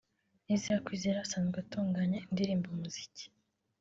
Ezra Kwizera asanzwe atunganya indirimbo umuziki